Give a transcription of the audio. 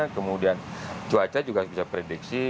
kemudian cuaca juga bisa prediksi